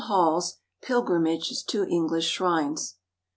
Hall's Pilgrimages to English Shrines.